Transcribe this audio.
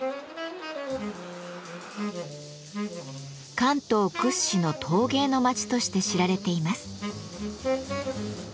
関東屈指の陶芸の町として知られています。